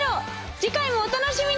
次回もお楽しみに！